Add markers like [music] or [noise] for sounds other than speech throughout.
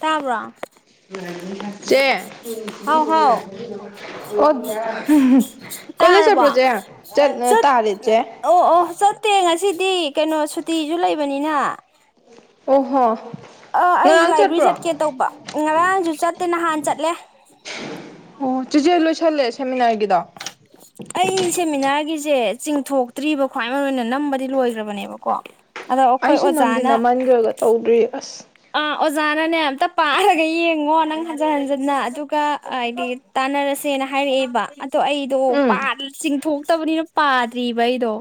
ꯇꯥꯕ꯭ꯔꯣ ꯆꯦ ꯍꯥꯎ ꯍꯥꯎ [unintelligible] ꯀꯣꯂꯦꯖ ꯇꯥꯔꯕꯣ ꯆꯠꯄ꯭ꯔꯣ ꯆꯦ ꯆꯠ ꯇꯨꯠ ꯇꯥꯔꯦ ꯆꯦ ꯑꯣ ꯑꯣ ꯆꯠꯇꯦ ꯉꯁꯤ ꯗꯤ ꯀꯩꯅꯣ ꯁꯨꯇꯤꯁꯨ ꯂꯩꯕꯅꯤꯅ ꯑꯣꯍꯣ ꯑ ꯑꯩꯁꯦ ꯉꯔꯥꯡ ꯂꯥꯏꯕ꯭ꯔꯦꯔꯤ ꯆꯠꯄ꯭ꯔꯣ ꯆꯠꯀꯦ ꯇꯧꯕ ꯉꯔꯥꯡꯁꯨ ꯆꯠꯇꯦ ꯅꯍꯥꯟ ꯆꯠꯂꯦ ꯑꯣ ꯆꯤꯖꯦ ꯂꯣꯏ ꯑꯩ ꯁꯦꯃꯤꯅꯥꯔꯒꯤ ꯖꯦ ꯆꯤꯡꯊꯣꯛꯇ꯭ꯔꯤꯕ ꯈ꯭ꯋꯥꯏ ꯃꯔꯨ ꯑꯣꯏꯅ ꯅꯝꯕꯗꯤ ꯂꯣꯏꯈ꯭ꯔꯕꯅꯦꯕꯀꯣ ꯑꯗꯣ ꯑꯩꯈꯣꯏ ꯑꯩꯁꯨ ꯅꯝꯗꯤ ꯑꯣꯖꯥꯅ ꯅꯝꯃꯟꯈ꯭ꯔꯒ ꯇꯧꯗ꯭ꯔꯤ ꯑꯁ ꯑꯥ ꯑꯣꯖꯅꯅꯦ ꯑꯝꯇ ꯄꯥꯔꯒ ꯌꯦꯡꯉꯣ ꯅꯪ ꯍꯟꯖꯤꯟ ꯍꯟꯖꯤꯟꯅ ꯑꯗꯨꯒ ꯑꯥꯗꯤ ꯇꯥꯅ ꯔꯁꯦꯅ ꯍꯥꯏꯔꯛꯑꯦꯕ ꯑꯗꯣ ꯑꯩ ꯑꯗꯣ ꯎꯝ ꯄꯥꯔ ꯆꯤꯡꯊꯣꯛꯇꯕꯅꯤꯅ ꯄꯥꯗ꯭ꯔꯤꯕ ꯑꯩꯗꯣ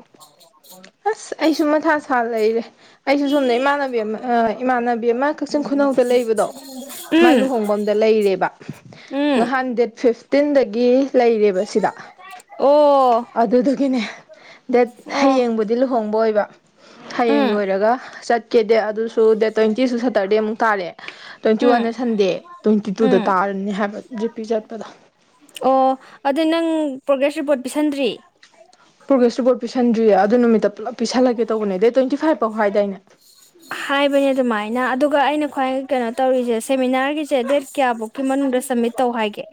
ꯑꯁ ꯑꯩꯁꯨ ꯃꯊꯥ ꯁꯥ ꯂꯩꯔꯦ ꯑꯩꯁꯨ ꯁꯣꯝꯅ ꯏꯃꯥꯟꯅꯕꯤ ꯑꯃ ꯑꯥ ꯏꯃꯥꯟꯅꯕꯤ ꯑꯃ ꯀꯛꯆꯤꯡ ꯈꯨꯅꯧꯗ ꯂꯩꯕꯗꯣ ꯃꯥꯏ ꯎꯝ ꯂꯨꯍꯣꯡꯕ ꯗ ꯂꯩꯔꯦꯕ ꯎꯝ ꯅꯍꯥꯟ ꯗꯦꯠ ꯐꯤꯠꯇꯤꯟꯗ ꯒꯤ ꯂꯩꯔꯦꯕ ꯁꯤꯗ ꯑꯣ ꯑꯗꯨꯗꯨꯒꯤꯅꯦ ꯗꯦꯠ ꯑꯣ ꯍꯌꯦꯡꯕꯨꯗꯤ ꯂꯨꯍꯣꯡꯕ ꯑꯣꯏꯕ ꯍꯌꯦꯡ ꯎꯝ ꯂꯣꯏꯔꯒ ꯀꯦꯗꯦ ꯑꯗꯨꯁꯨ ꯗꯦꯠ ꯇ꯭ꯋꯦꯟꯇꯤꯁꯨ ꯁꯦꯇꯔꯗꯦ ꯑꯃꯨꯛ ꯇꯥꯔꯦ ꯇ꯭ꯋꯦꯟꯇꯤ ꯎꯝ ꯋꯥꯟꯅ ꯁꯟꯗꯦ ꯇ꯭ꯋꯦꯟꯇꯤ ꯇꯨꯗ ꯎꯝ ꯇꯥꯔꯦ ꯅꯤ ꯍꯥꯏꯕ ꯖꯤꯄꯤ ꯆꯠꯄꯗꯣ ꯑꯣ ꯑꯗꯨ ꯅꯪ ꯄ꯭ꯔꯣꯒ꯭ꯔꯦꯁ ꯔꯤꯄꯣꯔꯠ ꯄꯤꯁꯟꯗ꯭ꯔꯤ ꯄ꯭ꯔꯣꯒ꯭ꯔꯦꯁ ꯔꯤꯄꯣꯠ ꯄꯤꯁꯟꯗ꯭ꯔꯤꯌꯦ ꯑꯗꯨ ꯅꯨꯃꯤꯠꯇ ꯄꯨꯂꯞ ꯄꯤꯁꯜꯂꯒꯦ ꯇꯧꯕꯅꯦ ꯗꯦꯠ ꯇ꯭ꯋꯦꯟꯇꯤ ꯐꯥꯏꯚ ꯐꯥꯎ ꯍꯥꯏꯗꯥꯏꯅꯦ ꯍꯥꯏꯕꯅꯦ ꯑꯗꯨꯃꯥꯏꯅ ꯑꯗꯨꯒ ꯑꯩꯅ ꯈ꯭ꯋꯥꯏ ꯀꯩꯅꯣ ꯇꯧꯔꯤꯁꯦ ꯁꯦꯃꯤꯅꯥꯔꯒꯤꯁꯦ ꯗꯦꯠ ꯀꯌꯥꯕꯧꯀꯤ ꯃꯅꯨꯡꯗ ꯁꯕꯃꯤꯠ ꯇꯧ ꯍꯥꯏꯒꯦ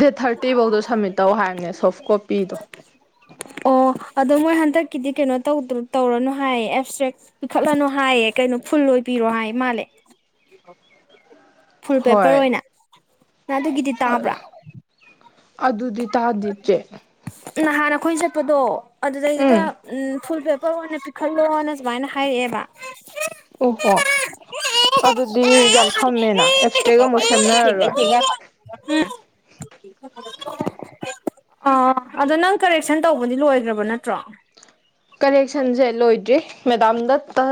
ꯗꯦꯠ ꯊꯥꯔꯇꯤꯐꯧꯗꯣ ꯁꯝꯃꯤꯠ ꯇꯧ ꯍꯥꯏꯝꯅꯦ ꯁꯣꯐ ꯀꯣꯄꯤꯗꯣ ꯑꯣ ꯑꯗꯣ ꯃꯣꯏ ꯍꯟꯗꯛꯀꯤꯗꯤ ꯀꯩꯅꯣ ꯇꯧꯗꯔꯣ ꯇꯧꯔꯅꯨ ꯍꯥꯏꯌꯦ ꯑꯦꯞꯁꯇ꯭ꯔꯦꯛ ꯄꯤꯈꯠꯂꯅꯨ ꯍꯥꯏꯌꯦ ꯀꯩꯅꯣ ꯐꯨꯜ ꯂꯣꯏꯕꯤꯔꯣ ꯍꯥꯏ ꯃꯥꯜꯂꯦ [inaudible] ꯐꯨꯜ ꯄꯦꯄꯔ ꯍꯣꯏ ꯑꯣꯏꯅ ꯅ ꯑꯗꯨꯒꯤꯗꯤ ꯇꯥꯕ꯭ꯔꯥ ꯑꯗꯨꯗꯤ ꯇꯥꯗꯦ ꯆꯦ ꯅꯍꯥꯟ ꯑꯩꯈꯣꯏꯟ ꯆꯠꯄꯗꯣ ꯎꯝ ꯑꯗꯨꯗꯩꯗꯨꯗ ꯎꯝ ꯐꯨꯜ ꯄꯦꯄꯔ ꯑꯣꯏꯅ ꯄꯤꯈꯠꯂꯣꯅ ꯁꯨꯃꯥꯏꯅ ꯍꯥꯏꯔꯛꯑꯦꯕ ꯑꯣ ꯍꯣ ꯑꯗꯨꯗꯤ ꯌꯥꯝ ꯁꯝꯃꯦꯅ ꯑꯦꯞꯁꯇꯦꯛ ꯑꯃꯨꯛ ꯁꯦꯝꯅꯔꯔꯣꯏ [inaudible] ꯑꯥ ꯑꯗꯣ ꯅꯪ ꯀꯔꯦꯛꯁꯟ ꯇꯧꯕꯗꯤ ꯂꯣꯏꯈ꯭ꯔꯕ ꯅꯠꯇ꯭ꯔꯣ ꯀꯔꯦꯛꯁꯟꯁꯦ ꯂꯣꯏꯗ꯭ꯔꯤ ꯃꯦꯗꯥꯝꯗ ꯇ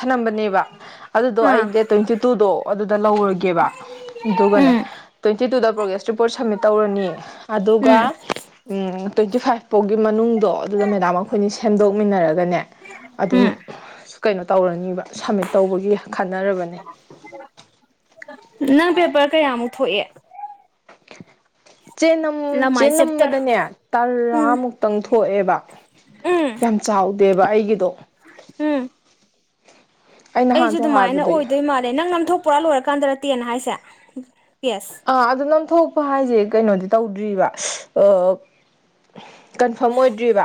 ꯊꯅꯝꯕꯅꯦꯕ ꯑꯗꯨꯗꯣ ꯑꯥ ꯑꯩ ꯗꯦꯠ ꯇ꯭ꯋꯦꯟꯇꯤ ꯇꯨꯗꯣ ꯑꯗꯨꯗ ꯂꯧꯔꯒꯦꯕ ꯑꯗꯨꯒꯅꯦ ꯎꯝ ꯇ꯭ꯋꯦꯟꯇꯤ ꯇꯨꯗ ꯄ꯭ꯔꯣꯒ ꯁꯇ ꯔꯤꯄꯣꯔꯠ ꯁꯞꯃꯤꯠ ꯇꯧꯔꯅꯤ ꯑꯗꯨꯒ ꯎꯝ ꯎꯝ ꯇ꯭ꯋꯦꯟꯇꯤ ꯐꯥꯏꯚ ꯐꯥꯎꯒꯤ ꯃꯅꯨꯡꯗꯣ ꯑꯗꯨꯗ ꯃꯦꯗꯥꯝ ꯑꯩꯈꯣꯏꯅꯤ ꯁꯦꯝꯗꯣꯛꯃꯤꯟꯅꯔꯒꯅꯦ ꯑꯗꯨꯝ ꯎꯝ ꯀꯩꯅꯣ ꯇꯧꯔꯅꯤꯕ ꯁꯝꯃꯤꯠ ꯇꯧꯕꯒꯤ ꯈꯟꯅꯔꯕꯅꯦ ꯅꯪ ꯄꯦꯄꯔ ꯀꯌꯥꯃꯨꯛ ꯊꯣꯛꯑꯦ ꯆꯦꯅꯝ ꯂꯃꯥꯏ ꯆꯦꯞꯇꯔ ꯆꯦꯅꯝꯕꯗꯅꯦ ꯎꯝ ꯇꯔꯥꯃꯨꯛꯇꯪ ꯊꯣꯛꯑꯦꯕ ꯎꯝ ꯌꯥꯝ ꯆꯥꯎꯗꯦꯕ ꯑꯩꯒꯤꯗꯣ ꯎꯝ ꯑꯩ ꯑꯩꯁꯨ ꯅꯍꯥꯟꯁꯨ ꯑꯗꯨꯃꯥꯏꯅ ꯍꯥꯏꯕꯗꯣ ꯑꯣꯏꯗꯣꯏ ꯃꯥꯜꯂꯦ ꯅꯪ ꯅꯝꯊꯣꯛ ꯄꯨꯔꯥ ꯂꯣꯏꯔꯀꯥꯟꯗꯔ ꯇꯦꯟ ꯍꯥꯏꯁꯦ ꯄꯦꯁ ꯑꯥ ꯑꯗꯨ ꯅꯝꯊꯣꯛꯄ ꯍꯥꯏꯁꯦ ꯀꯩꯅꯣꯗꯤ ꯇꯧꯗ꯭ꯔꯤꯕ ꯑꯥ ꯀꯟꯐꯥꯔꯝ ꯑꯣꯏꯗ꯭ꯔꯤꯕ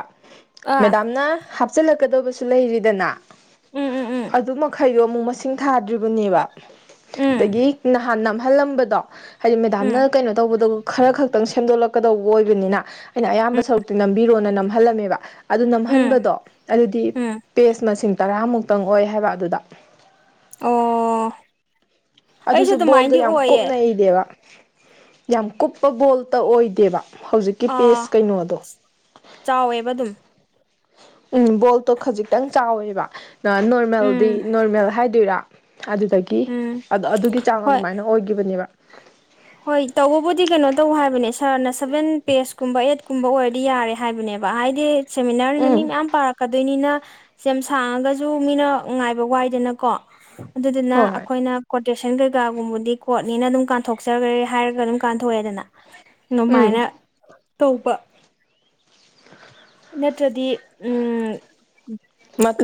ꯑꯥ ꯃꯦꯗꯥꯝꯅ ꯍꯥꯞꯆꯤꯜꯂꯛꯀꯗꯕꯁꯨ ꯂꯩꯔꯤꯗꯅ ꯎꯝ ꯎꯝ ꯎꯝ ꯑꯗꯨ ꯃꯈꯩꯗꯣ ꯑꯃꯨꯛ ꯃꯁꯤꯡ ꯊꯥꯗ꯭ꯔꯤꯕꯅꯦꯕ ꯑꯗꯒꯤ ꯎꯝ ꯅꯍꯥꯟ ꯅꯝꯍꯜꯂꯝꯕꯗꯣ ꯍꯥꯏꯗꯤ ꯃꯦꯗꯥꯝꯅ ꯎꯝ ꯀꯩꯅꯣ ꯇꯧꯕꯗ ꯈꯔ ꯈꯛꯇꯪ ꯁꯦꯝꯗꯣꯛꯂꯛꯀꯗꯧꯕ ꯑꯣꯏꯕꯅꯤꯅ ꯑꯩꯅ ꯑꯌꯥꯝꯕ ꯁꯔꯨꯛꯇꯤ ꯅꯝꯕꯤꯔꯣꯅ ꯅꯝꯍꯜꯂꯝꯃꯦꯕ ꯑꯗꯨ ꯎꯝ ꯅꯝꯍꯟꯕꯗꯣ ꯑꯗꯨꯗꯤ ꯎꯝ ꯄꯦꯁ ꯃꯁꯤꯡ ꯇꯔꯥꯃꯨꯛꯇꯪ ꯑꯣꯏ ꯍꯥꯏꯕ ꯑꯗꯨꯗ ꯑꯣꯑꯣ ꯑꯗꯨꯁꯨ ꯕꯣꯜꯗꯣ ꯌꯥꯝ ꯀꯨꯞꯅꯩꯗꯕ ꯌꯥꯝ ꯀꯨꯞꯄ ꯕꯣꯜꯇ ꯑꯣꯏꯗꯦꯕ ꯍꯧꯖꯤꯛꯀꯤ ꯄꯦꯁ ꯑꯥ ꯀꯩꯅꯣꯗꯣ ꯆꯥꯎꯋꯦꯕ ꯑꯗꯨꯝ ꯎ ꯕꯣꯜꯇꯣ ꯈꯖꯤꯛꯇꯪ ꯆꯥꯎꯋꯦꯕ ꯅꯣꯔꯃꯦꯜꯗꯤ ꯎꯝ ꯅꯣꯔꯃꯦꯜ ꯍꯥꯏꯗꯣꯏꯔꯥ ꯑꯗꯨꯗꯒꯤ ꯎꯝ ꯑꯗꯨꯒꯤ ꯆꯥꯡ ꯍꯣꯏ ꯑꯗꯨꯃꯥꯏꯅ ꯑꯣꯏꯒꯤꯕꯅꯦꯕ ꯍꯣꯏ ꯇꯧꯕꯕꯨꯗꯤ ꯀꯩꯅꯣ ꯇꯧ ꯍꯥꯏꯕꯅꯦ ꯁꯥꯔꯅ ꯁꯚꯦꯟ ꯄꯦꯁꯀꯨꯝꯕ ꯑꯩꯠꯀꯨꯝꯕ ꯑꯣꯏꯔꯗꯤ ꯌꯥꯔꯦ ꯍꯥꯏꯕꯅꯦꯕ ꯕ ꯍꯥꯏꯗꯤ ꯁꯦꯃꯤꯅꯥꯔꯅꯤꯅ ꯃꯤ ꯎꯝ ꯃꯌꯥꯝ ꯄꯥꯔꯛꯀꯗꯣꯏꯅꯤꯅ ꯁꯦꯝ ꯁꯥꯡꯉꯒꯁꯨ ꯃꯤꯅ ꯉꯥꯏꯕ ꯋꯥꯏꯗꯅꯀꯣ ꯑꯗꯨꯗꯨꯅ ꯍꯣꯏ ꯍꯣꯏ ꯑꯩꯈꯣꯏꯅ ꯀꯣꯇꯦꯁꯟ ꯀꯩꯀꯥꯒꯨꯝꯕꯗꯤ ꯀ ꯀꯣꯔꯣꯠꯅꯤꯅ ꯑꯗꯨꯝ ꯀꯥꯟꯊꯣꯛ ꯀꯥꯛꯆꯈ꯭ꯔꯦ ꯍꯥꯏꯔꯒ ꯑꯗꯨꯝ ꯀꯥꯟꯊꯣꯛꯑꯦꯗꯅ ꯎꯝ ꯑꯗꯨꯃꯥꯏꯅ ꯇꯧꯕ ꯅꯠꯇ꯭ꯔꯗꯤ ꯎꯝ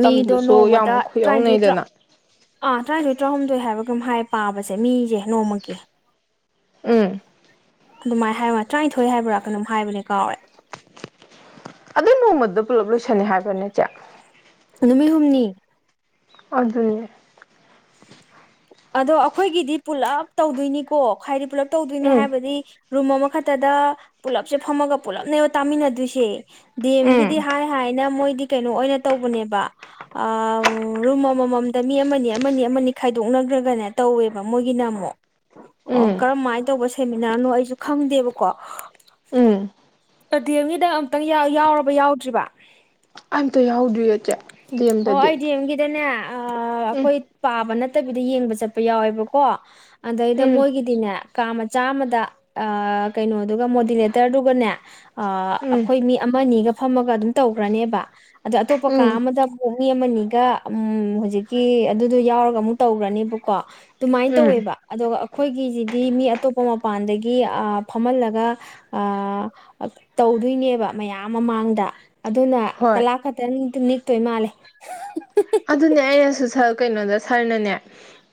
ꯃꯤꯗꯣ ꯅꯣꯡꯃꯗ ꯌꯥꯝ ꯇꯔꯥꯅꯤꯊꯣꯏ ꯇꯔꯥ ꯈꯨꯌꯧꯅꯩꯗꯅ ꯑꯥ ꯇꯔꯥꯅꯤꯊꯣꯏ ꯇꯔꯥꯍꯨꯝꯗꯣꯏ ꯍꯥꯏꯕꯒ ꯍꯥꯏ ꯄꯥꯕꯁꯦ ꯃꯤꯁꯦ ꯅꯣꯡꯃꯒꯤ ꯎꯝ ꯑꯗꯨꯃꯥꯏꯅ ꯍꯥꯏ ꯇꯔꯥꯅꯤꯊꯣꯏ ꯍꯥꯏꯕ꯭ꯔ ꯀꯩꯅꯣꯝ ꯍꯥꯏꯕꯅꯦ ꯀꯥꯎꯔꯦ ꯑꯗꯨ ꯅꯣꯡꯃꯗ ꯄꯨꯜꯂꯞ ꯂꯣꯏꯁꯟꯂꯦ ꯍꯥꯏꯕꯔ ꯅꯦ ꯆꯦ ꯅꯨꯃꯤꯠ ꯍꯨꯝꯅꯤ ꯑꯗꯨꯅꯦ ꯑꯗꯣ ꯑꯩꯈꯣꯏꯒꯤꯗꯤ ꯄꯨꯂꯞ ꯇꯧꯗꯣꯏꯅꯤꯀꯣ ꯍꯥꯏꯗꯤ ꯄꯨꯂꯞ ꯇꯧꯗꯣꯏꯅꯤ ꯎꯝ ꯍꯥꯏꯕꯗꯤ ꯔꯨꯝ ꯑꯃꯈꯛꯇꯗ ꯄꯨꯂꯞꯁꯦ ꯐꯝꯃꯒ ꯄꯨꯜꯂꯞꯅꯦꯕ ꯇꯥꯃꯤꯟꯅꯗꯣꯏꯁꯦ ꯗꯤꯑꯦꯝꯒꯤꯗꯤ ꯎꯝ ꯍꯥꯏ ꯍꯥꯏꯅ ꯃꯣꯏ ꯀꯩꯅꯣ ꯑꯣꯏꯅ ꯇꯧꯕꯅꯦꯕ ꯑ ꯔꯨꯝ ꯑꯃꯃꯝꯗ ꯃꯤ ꯑꯃꯅꯤ ꯈꯥꯏꯗꯣꯛꯅꯈ꯭ꯔ ꯀꯅꯦ ꯇꯧꯋꯦꯕ ꯃꯣꯏꯒꯤꯅ ꯑꯃꯨꯛ ꯑꯣ ꯎꯝ ꯀꯔꯝꯃꯥꯏꯅ ꯇꯧꯕ ꯁꯦꯃꯤꯟꯅꯔꯅꯣ ꯑꯩꯁꯨ ꯈꯪꯗꯦꯕꯀꯣ ꯎꯝ ꯗꯤꯑꯦꯝꯒꯤꯗ ꯑꯃꯨꯛꯇꯪ ꯌꯥꯎꯔꯕ ꯌꯥꯎꯗ꯭ꯔꯤꯕ ꯑꯝꯇ ꯌꯥꯎꯗ꯭ꯔꯤꯌꯦ ꯆꯦ ꯗꯤꯑꯦꯝꯗꯗꯤ ꯑ ꯑꯩꯈꯣꯏ ꯄꯥꯕ ꯅꯠꯇꯕꯤꯗ ꯌꯦꯡꯕ ꯆꯠꯄ ꯌꯥꯎꯋꯦꯕꯀꯣ ꯑꯗꯩꯗ ꯎꯝ ꯃꯣꯏꯒꯤꯗꯤꯅꯦ ꯀꯥ ꯃꯆꯥꯃꯗ ꯀꯩꯅꯣꯗꯨꯒ ꯃꯣꯗꯤꯅꯦꯇꯔꯗꯨꯒꯅꯦ ꯎꯝ ꯑꯩꯈꯣꯏ ꯃꯤ ꯑꯃ ꯑꯅꯤꯒ ꯐꯝꯃꯒ ꯑꯗꯨꯝ ꯇꯧꯈ꯭ꯔꯅꯤꯕ ꯑꯗ ꯑꯇꯣꯞꯄ ꯀꯥ ꯎꯝ ꯑꯃꯗ ꯑꯃꯨꯛ ꯃꯤ ꯑꯃꯅꯤꯒ ꯎꯝ ꯍꯧꯖꯤꯛꯀꯤ ꯑꯗꯨꯗꯣ ꯌꯥꯎꯔꯒ ꯑꯃꯨꯛ ꯇꯧꯈ꯭ꯔꯅꯤꯕꯨ ꯀꯣ ꯑꯗꯨꯃꯥꯏꯅ ꯎꯝ ꯇꯧꯋꯦꯕ ꯑꯗꯨꯒ ꯑꯩꯈꯣꯏꯒꯤꯁꯤꯗꯤ ꯃꯤ ꯑꯇꯣꯞꯄ ꯃꯄꯥꯟꯗꯒꯤ ꯑ ꯐꯝꯍꯜꯂꯒ ꯑ ꯇꯧꯗꯣꯏꯅꯦꯕ ꯃꯌꯥꯝ ꯃꯃꯥꯡꯗ ꯑꯗꯨꯅ ꯍꯣꯏ ꯀꯂꯥꯛ ꯈꯇꯪ ꯅꯤꯛꯇꯣꯏ ꯃꯥꯜꯂꯦ ꯀꯩꯅꯣꯗꯣ ꯁꯥꯔꯅꯅꯦ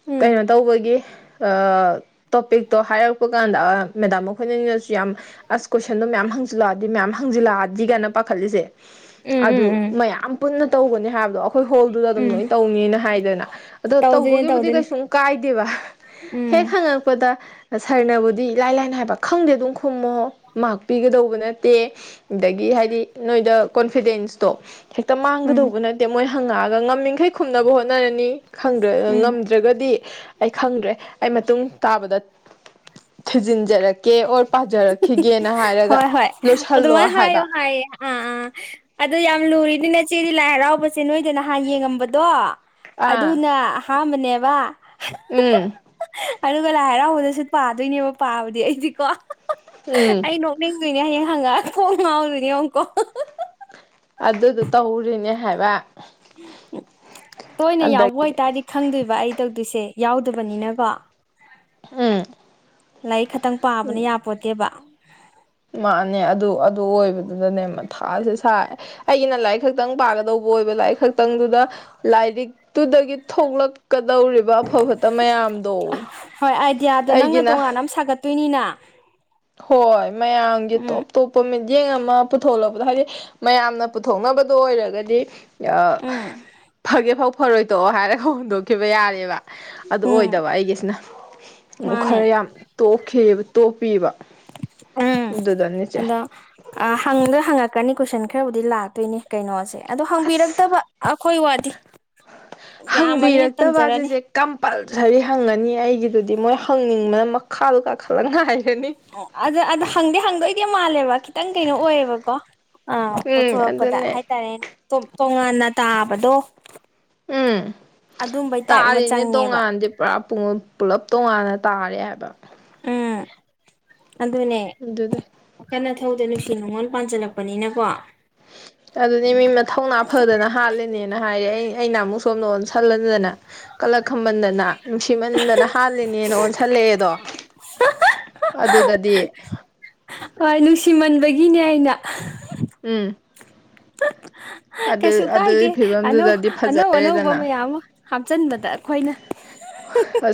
ꯎꯝ ꯀꯩꯅꯣ ꯇꯧꯕꯒꯤ ꯑꯥ ꯇꯣꯄꯤꯛꯇꯣ ꯍꯥꯏꯔꯛꯄ ꯀꯥꯟꯗ ꯃꯦꯗꯥꯝ ꯃꯈꯣꯏꯅꯅꯁꯨ ꯌꯥꯝ ꯑꯁ ꯀꯣꯏꯁꯟꯗꯣ ꯃꯌꯥꯝ ꯍꯪꯕ ꯍꯪꯖꯤꯜꯂꯛꯑꯗꯤ ꯃꯦꯝ ꯍꯪꯖꯤꯜꯂꯛꯑꯗꯤ ꯀꯥꯏꯅ ꯄꯥꯈꯠꯂꯤꯁꯦ ꯎꯝ ꯑꯗꯨ ꯎꯝ ꯎꯝ ꯃꯌꯥꯝ ꯄꯨꯟꯅ ꯇꯧꯒꯅꯤ ꯍꯥꯏꯕꯗꯣ ꯑꯩꯈꯣꯏ ꯍꯣꯜꯗꯨꯗ ꯑꯗꯨꯝ ꯎꯝ ꯂꯣꯏꯅ ꯇꯧꯅꯤꯅ ꯍꯥꯏꯗꯅ ꯑꯗꯣ ꯇꯧꯗꯣꯏꯅꯤ ꯇꯧꯕꯒꯤꯕꯨꯗꯤ ꯇꯧꯗꯣꯏꯅꯤ ꯀꯩꯁꯨꯝ ꯀꯥꯏꯗꯦꯕ ꯍꯦꯛ ꯎꯝ ꯍꯪꯉꯛꯄꯗ ꯁꯔꯅꯕꯨꯗꯤ ꯏꯂꯥꯏ ꯂꯥꯏꯅ ꯍꯥꯏꯕ ꯈꯪꯗꯦ ꯑꯗꯨꯝ ꯈꯨꯝꯃꯣ ꯃꯔꯚ ꯄꯤꯒꯗꯧꯕ ꯅꯠꯇꯦ ꯑꯗꯒꯤ ꯍꯥꯏꯗꯤ ꯅꯣꯏꯗ ꯀꯣꯟꯐꯤꯗꯦꯟꯁꯇꯣ ꯍꯦꯛꯇ ꯎꯝ ꯃꯥꯡꯒꯗꯧꯕ ꯅꯠꯇꯦ ꯃꯣꯏ ꯍꯪꯉꯛꯑꯒ ꯉꯝꯃꯤꯈꯩ ꯈꯨꯝꯅꯕ ꯍꯣꯠꯅꯔꯅꯤ ꯈꯪꯗ꯭ꯔ ꯎꯝ ꯉꯝꯗ꯭ꯔꯒꯗꯤ ꯑꯩ ꯈꯪꯗ꯭ꯔꯦ ꯑꯩ ꯃꯇꯨꯡ ꯇꯥꯕꯗ ꯊꯖꯤꯟꯖꯔꯛꯀꯦ ꯑꯣ ꯍꯣꯏ ꯍꯣꯏ ꯂꯣꯏꯁꯜꯂꯣ ꯑꯗꯨꯃꯥꯏꯅ ꯍꯥꯏꯌꯣ ꯍꯥꯏꯕ ꯍꯥꯏꯌꯦ ꯑꯥ ꯑꯥ ꯑꯗꯨ ꯌꯥꯝ ꯂꯨꯔꯤ ꯑꯗꯨ ꯅꯆꯦꯗꯤ ꯂꯥꯏ ꯍꯔꯥꯎꯕꯁꯦ ꯅꯣꯏꯗ ꯅꯍꯥꯟ ꯌꯦꯡꯉꯝꯕꯗꯣ ꯑꯥ ꯑꯗꯨꯅ ꯑꯍꯟ ꯍꯟ ꯕꯅꯦ ꯕ ꯎꯝ ꯑꯗꯨꯒ ꯂꯥꯏ ꯍꯔꯥꯎꯕꯗꯁꯨ ꯄꯥꯗꯣꯏꯅꯦꯕ ꯄꯥꯕꯗꯤ ꯑꯩꯗꯤꯀꯣ ꯎꯝ ꯑꯩ ꯅꯣꯛꯅꯤꯡ ꯗꯣꯏꯅꯦ ꯍꯌꯦꯡ ꯍꯪꯉꯛ ꯀꯣꯛ ꯉꯥꯎꯗꯣꯏꯅꯦ ꯌꯦꯡꯉꯨꯀꯣ ꯑꯗꯨ ꯗꯨ ꯇꯧ ꯇꯣꯏꯅ ꯌꯥꯎꯕ ꯑꯗꯒꯤ ꯑꯣꯏꯇꯥꯔꯗꯤ ꯈꯪꯗꯣꯏꯕ ꯑꯩꯟꯇꯧ ꯑꯗꯨꯏꯁꯦ ꯌꯥꯎꯗꯕꯅꯤꯅꯀꯣ ꯎꯝ ꯂꯥꯏꯔꯤꯛ ꯈꯛꯇꯪ ꯄꯥꯕꯅ ꯌꯥꯄꯣꯠꯇꯦꯕ ꯃꯥꯅꯦ ꯑꯗꯨ ꯑꯗꯨ ꯑꯣꯏꯕꯗꯨꯗꯅꯦ ꯃꯊꯥꯁꯦ ꯁꯥꯏ ꯑꯩꯒꯤꯅ ꯂꯥꯏꯔꯤꯛ ꯈꯛꯇꯪ ꯄꯥꯒꯗꯧꯕ ꯑꯣꯏꯕ ꯂꯥꯏꯔꯤꯛ ꯈꯛꯇꯪꯗꯨꯗ ꯂꯥꯏꯔꯤꯛꯇꯨꯗꯒꯤ ꯊꯣꯛꯂꯛ ꯀꯗꯧꯔꯤꯕ ꯑꯐ ꯐꯠꯇ ꯃꯌꯥꯝꯗꯣ ꯑꯩꯒꯤꯅ ꯇꯣꯏꯅꯤꯅ ꯍꯣꯏ ꯃꯌꯥꯝꯒꯤ ꯇꯣꯞ ꯇꯣꯞꯄ ꯃꯤꯠ ꯌꯦꯡ ꯑꯃ ꯄꯨꯊꯣꯛꯂꯛꯄꯗꯣ ꯍꯥꯏꯗꯤ ꯃꯌꯥꯝꯅ ꯄꯨꯊꯣꯛꯅꯕꯗꯣ ꯑꯣꯏꯔꯒꯗꯤ ꯌꯥ ꯎꯝ ꯐꯒꯦ ꯐꯧ ꯐꯔꯣꯏ ꯇꯣꯛꯑꯣ ꯍꯥꯏꯔꯒ ꯍꯨꯟꯗꯣꯛꯈꯤꯕ ꯌꯥꯔꯦꯕ ꯑꯗꯨ ꯎꯝ ꯑꯣꯏꯗꯕ ꯑꯩꯒꯤꯁꯤꯅ ꯈꯔ ꯃꯥꯅꯦ ꯌꯥꯝ ꯇꯣꯛꯈꯤ ꯇꯣꯞꯄꯤꯕ ꯎꯝ ꯑꯗꯨꯗꯅꯦ ꯆꯦ ꯑꯗ ꯑ ꯍꯪꯗ ꯍꯪꯉꯛꯀꯅꯤ ꯀꯣꯏꯁꯟ ꯈꯔꯕꯨꯗꯤ ꯂꯥꯛꯇꯣꯏꯅꯦ ꯀꯩꯅꯣꯁꯦ ꯑꯗꯣ ꯑꯁ ꯍꯪꯕꯤꯔꯛꯇꯕ ꯑꯩꯈꯣꯏ ꯋꯥꯗꯤ [inaudible] ꯌꯥꯝꯃꯅꯤꯅ ꯍꯪꯕꯤꯔꯛꯇꯕ ꯇꯟꯖꯔꯅꯤ ꯁꯤꯁꯦ ꯀꯝꯄꯜꯁꯔꯤ ꯍꯪꯉꯅꯤ ꯑꯩꯒꯤꯗꯨꯗꯤ ꯃꯣꯏ ꯍꯪꯅꯤꯡꯕꯅ ꯃꯈꯥꯗꯨ ꯈꯂꯛꯉꯥꯏ ꯑꯣ ꯑꯗ ꯑꯗ ꯍꯪꯗꯤ ꯍꯪꯗꯣꯏꯗꯤ ꯃꯥꯜꯂꯦꯕ ꯈꯤꯇꯪ ꯀꯩꯅꯣ ꯑꯣꯏꯌꯦꯕꯀꯣ ꯑꯥ ꯎꯝ ꯄꯣꯊꯣꯔꯛꯄꯗ ꯑꯗꯨꯅꯦ ꯍꯥꯏꯇꯥꯔꯦ ꯇꯣꯉꯥꯟꯅ ꯇꯥꯕꯗꯣ ꯎꯝ ꯑꯗꯨꯝꯕꯩ ꯇꯥꯏꯞ ꯑꯃ ꯇꯥꯔꯤꯅꯦ ꯆꯪꯉꯦꯕ ꯇꯣꯉꯥꯟꯗꯤ ꯄꯨꯔꯥ ꯄꯨꯡ ꯄꯨꯂꯞ ꯇꯣꯉꯥꯟꯅ ꯇꯥꯔꯦ ꯍꯥꯏꯕ ꯎꯝ ꯑꯗꯨꯅꯦ ꯑꯗꯨꯗꯤ [unintelligible] ꯏꯊꯧꯗ ꯅꯨꯡꯁꯤ ꯅꯨꯡꯉꯣꯟ ꯄꯥꯟꯁꯤꯜꯂꯛꯄꯅꯤꯅꯀꯣ [inaudible] ꯑꯗꯨꯗꯤ ꯃꯤ ꯃꯊꯧꯅ ꯐꯗꯅ ꯍꯥꯠꯂꯤꯅꯦꯅ ꯍꯥꯏꯔꯦ ꯑꯩ ꯑꯩꯅ ꯑꯃꯨꯛ ꯁꯣꯝꯗ ꯑꯣꯟ ꯁꯜꯂꯗꯅ ꯀꯜꯂꯛ ꯈꯝꯕꯟꯗꯅ ꯅꯨꯡꯁꯤꯃꯟꯗꯅ ꯍꯥꯜꯂꯤꯅꯦꯅ ꯑꯣꯟꯁꯜꯂꯛꯑꯦꯗꯣ ꯑꯗꯨꯗꯗꯤ [unintelligible] ꯍꯣꯏ ꯅꯨꯡꯁꯤꯃꯟꯕ ꯕꯤꯗꯦ ꯑꯩꯅ ꯎꯝ ꯑꯗꯨ ꯀꯩꯁꯨ ꯀꯥꯏꯗꯦ ꯑꯗꯨꯒꯤ ꯑꯅꯧ ꯐꯤꯕꯝꯗꯨꯗꯗꯤ ꯑꯅꯧ ꯑꯅꯧꯕ ꯐꯖꯔꯦꯗꯅ ꯃꯌꯥꯝ ꯑꯃ ꯍꯥꯞꯆꯟꯕꯗ ꯑꯩꯈꯣꯏꯅ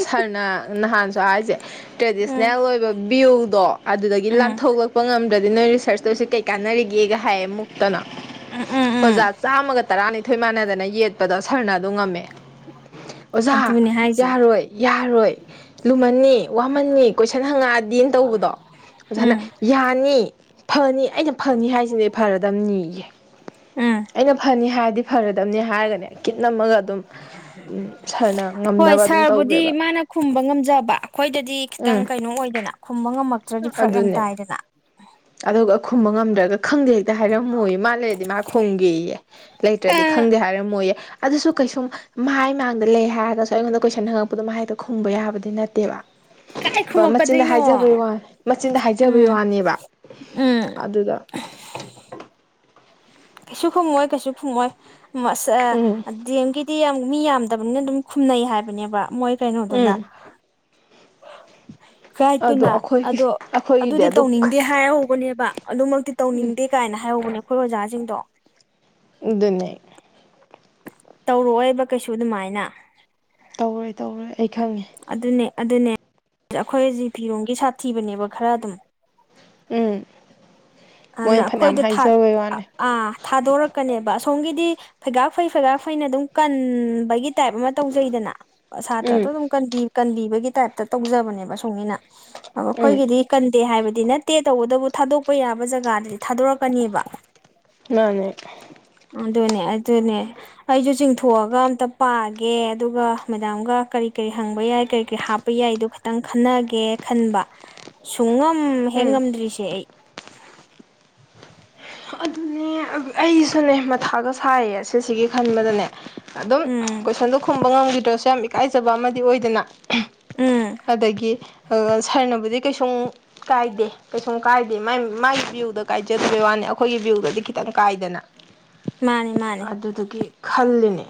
ꯁꯥꯔꯅ ꯅꯍꯥꯟꯁꯨ ꯍꯥꯏꯔꯤꯁꯦ ꯎꯝ ꯇ꯭ꯔꯦꯗꯤꯁꯅꯦꯜ ꯑꯣꯏꯕ ꯚ꯭ꯌꯨꯗꯣ ꯑꯗꯨꯗꯒꯤ ꯎꯝ ꯂꯥꯟꯊꯣꯛꯂꯛꯄ ꯉꯝꯗ꯭ꯔꯗꯤ ꯅꯣꯏ ꯔꯤꯁꯔꯁ ꯇꯧꯔꯤꯁꯦ ꯀꯩ ꯀꯥꯟꯅꯔꯤꯒꯦꯒ ꯍꯥꯏꯌꯦ ꯑꯃꯨꯛ ꯇꯅ ꯎꯝ ꯎꯝ ꯎꯝ ꯑꯣꯖꯥ ꯆꯥꯝꯃꯒ ꯇꯔꯥꯅꯤꯊꯣꯏ ꯃꯥꯟꯅꯗꯅ ꯌꯦꯠꯄꯗꯣ ꯁꯔꯅ ꯑꯗꯨ ꯉꯝꯃꯦ ꯑꯣꯖꯥ ꯑꯗꯨꯅꯦ ꯍꯥꯏꯁꯦ ꯌꯥꯔꯣꯏ ꯌꯥꯔꯣꯏ ꯂꯨꯃꯟꯅꯤ ꯋꯥꯃꯟꯅꯤ ꯀꯣꯏꯁꯟ ꯍꯪꯉꯛꯑ ꯗꯤꯌꯦ ꯇꯧꯕꯗꯣ ꯑꯣꯖꯥꯅ ꯎꯝ ꯌꯥꯅꯤ ꯐꯅꯤ ꯑꯩꯅ ꯐꯅꯤ ꯍꯥꯏꯁꯤꯅꯦ ꯐꯔꯗꯝꯅꯦ ꯌꯦ ꯎꯝ ꯗꯝꯅꯦ ꯍꯥꯏꯔꯒꯅꯦ ꯀꯤꯠ ꯅꯝꯃꯒ ꯑꯗꯨꯝ ꯁꯥꯔꯅ ꯍꯣꯏ ꯉꯝꯅꯕ ꯑꯗꯨꯝ ꯁꯔꯕꯨꯗꯤ ꯇꯧꯈ꯭ꯔꯦꯕ ꯃꯥꯅ ꯈꯨꯝꯕ ꯉꯝꯖꯕ ꯑꯩꯈꯣꯏꯗꯗꯤ ꯈꯤꯇꯪ ꯎꯝ ꯀꯩꯅꯣ ꯑꯣꯏ ꯗꯦꯅ ꯈꯨꯝꯕ ꯉꯝꯃꯛꯇ꯭ꯔꯗꯤ ꯐꯔꯛ ꯌꯥꯝ ꯑꯗꯨꯅꯦ ꯇꯥꯏꯗꯅ ꯑꯗꯨꯒ ꯈꯨꯝꯕ ꯉꯝꯗ꯭ꯔꯒ ꯈꯪꯗꯦ ꯍꯦꯛꯇ ꯍꯥꯏꯔꯝꯃꯣꯌꯦ ꯃꯥ ꯂꯩꯔꯗꯤ ꯃꯥ ꯈꯣꯝꯒꯦꯌꯦ ꯂꯩꯇ꯭ꯔꯗꯤ ꯈꯪꯗꯦ ꯍꯥꯏꯔꯝꯃꯣꯌꯦ ꯑꯗꯨꯁꯨ ꯀꯩꯁꯨꯝ ꯃꯥ ꯑꯩ ꯃꯥꯡꯗ ꯂꯩ ꯍꯥꯏꯔꯒꯁꯨ ꯑꯩꯉꯣꯟꯗ ꯀꯣꯏꯁꯟ ꯍꯉꯛꯄꯗꯣ ꯃ ꯍꯥꯏꯗꯣ ꯈꯨꯝꯕ ꯌꯥꯕꯗꯤ ꯅꯠꯇꯦꯕ ꯀꯥꯏ ꯄ ꯃꯆꯤꯟꯗ ꯈꯨꯝꯃꯛꯀꯗꯣꯏꯅꯣ ꯍꯥꯏꯖꯕꯩ ꯋꯥꯅꯦ ꯃꯆꯤꯟꯗ ꯍꯥꯏꯖꯕꯩ ꯎꯝ ꯋꯥꯅꯦꯕ ꯎꯝ ꯑꯗꯨꯗ ꯀꯩꯁꯨ ꯈꯨꯝꯃꯛꯑꯣꯏ ꯀꯩꯁꯨ ꯈꯨꯝꯃꯛꯑꯣꯏ ꯎꯝ ꯑꯁ ꯎꯝ ꯑ ꯗꯤ ꯑꯦꯝꯒꯤꯗꯤ ꯌꯥꯝ ꯃꯤ ꯌꯥꯝꯗꯕꯅꯤꯅ ꯑꯗꯨꯝ ꯈꯨꯝꯅꯩ ꯍꯥꯏꯕꯅꯦꯕ ꯃꯣꯏ ꯀꯩꯅꯣꯗꯨꯅ ꯎꯝ ꯑꯗꯣ ꯥꯒꯥꯏꯠꯇꯨꯅ ꯑꯩꯈꯣꯏꯒꯤ ꯑꯗꯣ ꯑꯩꯈꯣꯏꯒꯤꯗꯤ ꯑꯗꯨꯗꯤ ꯑꯗꯨ ꯇꯧꯅꯤꯡꯗꯦ ꯍꯥꯏꯍꯧꯕꯅꯦꯕ ꯑꯗꯨꯃꯛꯇꯤ ꯇꯧꯅꯤꯡꯗꯦ ꯀꯥꯏꯅ ꯍꯥꯏꯍꯧꯕꯅꯦ ꯑꯩꯈꯣꯏ ꯑꯣꯖꯥꯁꯤꯡꯗꯣ ꯑꯗꯨꯅꯦ ꯇꯧꯔꯛꯑꯣꯏꯕ ꯀꯩꯁꯨ ꯑꯗꯨꯃꯥꯏꯅ ꯇꯧꯔꯣꯏ ꯇꯧꯔꯣꯏ ꯑꯩ ꯈꯪꯉꯦ ꯑꯗꯨꯅꯦ ꯑꯗꯨꯅꯦ ꯑꯩꯈꯣꯏ ꯖꯤ ꯐꯤꯥꯥꯄꯤ ꯔꯣꯝꯒꯤ ꯁꯥꯊꯤꯕꯅꯦꯕ ꯈꯔ ꯑꯗꯨꯝ ꯎꯝ ꯍꯥꯟꯅ ꯃꯣꯏꯅ ꯐꯅꯌꯥꯝ ꯑꯩꯈꯣꯏꯗ ꯊꯥ ꯍꯥꯏꯖꯕꯩ ꯋꯥꯅꯦ ꯑꯥ ꯊꯥꯗꯣꯔꯛꯀꯅꯦꯕ ꯑꯁꯣꯝ ꯁꯣꯝꯒꯤꯗꯤ ꯐꯩꯒꯥꯛ ꯐꯩ ꯐꯩꯒꯥꯛ ꯐꯩꯅ ꯑꯗꯨꯝ ꯀꯟꯕꯒꯤ ꯇꯥꯏꯞ ꯑꯃ ꯇꯧꯖꯩꯗꯅ ꯎꯝ ꯁꯥꯇ꯭ꯔꯗꯣ ꯑꯗꯨꯝ ꯀꯟꯕꯤ ꯀꯟꯕꯤꯕꯒꯤ ꯇꯥꯏꯞꯇ ꯇꯧꯖꯕꯅꯦꯕ ꯑꯁꯣꯝꯒꯤꯅ ꯎꯝ ꯑꯩꯈꯣꯏꯒꯤꯗꯤ ꯀꯟꯗꯦ ꯍꯥꯏꯕꯗꯤ ꯅꯠꯇꯦ ꯇꯧꯕꯇꯕꯨ ꯊꯥꯗꯣꯛꯄ ꯌꯥ ꯕꯖꯒꯗꯗꯤ ꯊꯥꯗꯣꯔꯛꯀꯅꯤꯕ ꯃꯥꯅꯦ ꯑꯗꯨꯅꯦ ꯑꯗꯨꯅꯦ ꯑꯩꯁꯨ ꯆꯤꯡꯊꯣꯛꯑꯒ ꯑꯝꯇ ꯄꯥꯒꯦ ꯑꯗꯨꯒ ꯃꯦꯗꯥꯝꯒ ꯀꯔꯤ ꯀꯔꯤ ꯍꯪꯕ ꯌꯥꯏ ꯀꯩꯀꯩ ꯍꯥꯞꯄ ꯌꯥꯢꯗꯣ ꯈꯇꯪ ꯈꯟꯅꯒꯦ ꯈꯟꯕ ꯁꯨꯡꯉꯝ ꯎꯝ ꯍꯦꯛ ꯉꯝꯗ꯭ꯔꯤꯁꯦ ꯑꯩ ꯑꯗꯨꯅꯦ ꯑꯩꯁꯨꯅꯦ ꯃꯊꯥꯒ ꯁꯥꯏꯌꯦ ꯑꯁꯤꯁꯤꯒꯤ ꯈꯟꯕꯗꯅꯦ ꯑꯗꯨꯝ ꯎꯝ ꯀꯣꯏꯁꯟꯗꯣ ꯈꯨꯝꯕ ꯉꯝꯈꯤꯗ꯭ꯔꯁꯨ ꯌꯥꯝ ꯏꯀꯥꯏꯖꯕ ꯑꯃꯗꯤ ꯑꯣꯏꯗꯅ ꯎꯝ ꯑꯗꯒꯤ ꯑ ꯁꯔꯅꯕꯨꯗꯤ ꯀꯩꯁꯨꯝ ꯀꯥꯏꯗꯦ ꯀꯩꯁꯨꯝ ꯀꯥꯏꯗꯦ ꯃꯥꯢ ꯃꯒꯤ ꯚ꯭ꯌꯨꯗ ꯀꯥꯏꯖ ꯕꯩ ꯋꯥꯅꯦ ꯑꯩꯈꯣꯏꯒꯤ ꯚ꯭ꯌꯨꯗꯗꯤ ꯈꯤꯇꯪ ꯀꯥꯏꯗꯅ ꯃꯥꯅꯦ ꯃꯥꯅꯦ ꯑꯗꯨꯗꯨꯒꯤ ꯈꯜꯂꯤꯅꯦ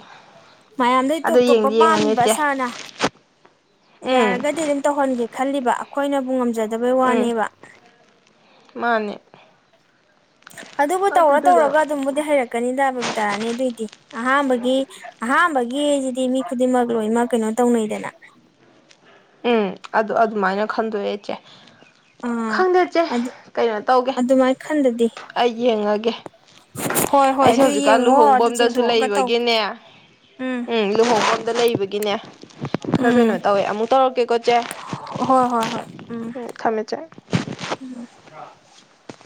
ꯃꯌꯥꯝꯗꯩ ꯇꯣꯞ ꯑꯗꯣ ꯇꯣꯞꯄ ꯌꯦꯡꯗꯤ ꯌꯦꯡꯉꯅꯤ ꯄꯥꯝꯃꯤꯕ ꯏꯆꯦ ꯁꯥꯔꯅ ꯎꯝ ꯌꯥꯔꯒꯗꯤ ꯑꯗꯨꯝ ꯇꯧꯍꯟꯒꯦ ꯈꯜꯂꯤꯕ ꯑꯩꯈꯣꯏꯅꯕꯨ ꯉꯝꯖ ꯗꯕꯩ ꯎꯝ ꯋꯥꯅꯦꯕ ꯃꯥꯅꯦ ꯑꯗꯨꯕꯨ ꯇꯧꯔ ꯑꯗꯨꯗꯨꯗ ꯇꯧꯔꯒ ꯑꯗꯨꯝꯕꯨꯗꯤ ꯍꯩꯔꯛꯀꯅꯤꯗ ꯕꯕꯤꯇꯔꯥꯅꯤ ꯑꯗꯨꯏꯗꯤ ꯑꯍꯥꯝꯕꯒꯤ ꯑꯍꯥꯝꯕꯒꯤꯁꯤꯗꯤ ꯃꯤ ꯈꯨꯗꯤꯡꯃꯛ ꯂꯣꯏꯅꯃꯛ ꯀꯩꯅꯣ ꯇꯧꯅꯩꯗꯅ ꯎꯝ ꯑꯗꯨ ꯑꯗꯨꯃꯥꯏꯅ ꯈꯟꯗꯣꯛꯑꯦ ꯆꯦ ꯑꯥ ꯈꯪꯗꯦ ꯆꯦ ꯑꯗꯨ ꯀꯩꯅꯣ ꯇꯧꯒꯦ ꯑꯗꯨꯃꯥꯏꯅ ꯈꯟꯗꯗꯤ ꯑꯩ ꯌꯦꯡꯉꯒꯦ ꯎꯝ ꯍꯣꯏ ꯍꯣꯏ ꯑꯩꯁꯦ ꯑꯗꯨ ꯍꯧꯖꯤꯛꯀꯥꯟ ꯌꯦꯡꯉꯣ ꯑꯗꯨ ꯂꯨꯍꯣꯡꯐꯝꯗꯁꯨ ꯆꯤꯡꯊꯣꯛꯑꯒ ꯇꯧ ꯂꯩꯕꯒꯤꯅꯦ ꯎꯝ ꯂꯨꯍꯣꯡꯐꯝꯗ ꯂꯩꯕꯒꯤꯅꯦ ꯈꯔ ꯎꯝ ꯀꯩꯅꯣ ꯇꯧꯋꯦ ꯑꯃꯨꯛ ꯇꯧꯔꯛꯀꯦꯀꯣ ꯆꯦ ꯍꯣꯏ ꯍꯣꯏ ꯍꯣꯏ ꯎꯝ ꯊꯝꯃꯦ ꯆꯦ [unintelligible]